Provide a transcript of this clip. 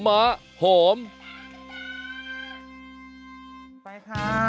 อ้าว